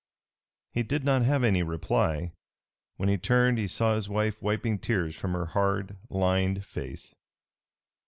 He did not have any reply. When he turned he saw his wife wiping tears from her hard, lined face.